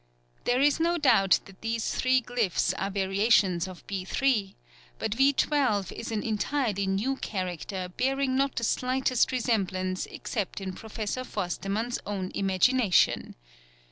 There is no doubt that these three glyphs are variations of B 3; but V 12 is an entirely new character bearing not the slightest resemblance except in Professor Forstemann's own imagination.